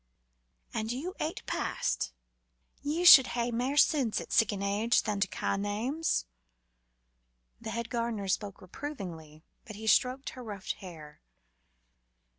"And you eight past! Ye should hae mair sense at siccan age than to ca' names." The head gardener spoke reprovingly, but he stroked her rough hair.